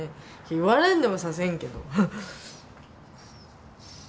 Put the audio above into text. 言われんでも刺せんけど。